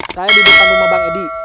saya di depan rumah bang edi